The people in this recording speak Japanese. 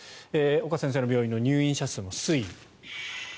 岡先生の病院の入院者数の推移。